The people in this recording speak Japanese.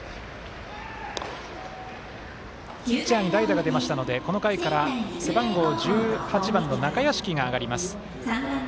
ピッチャーに代打が出ましたのでこの回から背番号１８番の中屋敷が上がります。